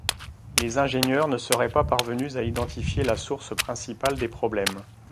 Les ingénieurs ne seraient pas parvenus à identifier la source principale des problèmes.